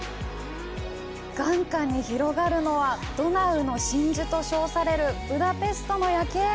眼下に広がるのは、「ドナウの真珠」と称されるブダペストの夜景！